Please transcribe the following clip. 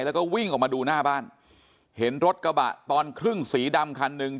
แล้วก็วิ่งออกมาดูหน้าบ้านเห็นรถกระบะตอนครึ่งสีดำคันหนึ่ง